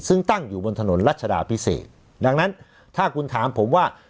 ซึ่งตั้งอยู่บนถนนรัชดาพิเศษดังนั้นถ้าคุณถามผมว่า